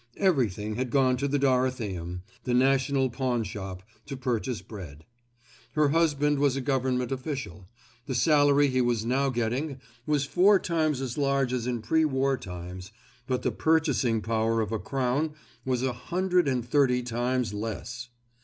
Everything had gone to the Dorotheum—the national pawn shop—to purchase bread. Her husband was a Government official; the salary he was now getting was four times as large as in pre war times, but the purchasing power of a crown was a hundred and thirty times less.